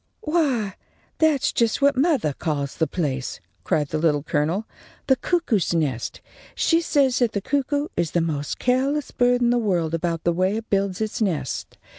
_ "Why, that's just what mothah calls the place," cried the Little Colonel, "the cuckoo's nest! She says that the cuckoo is the most careless bird in the world about the way it builds its nest.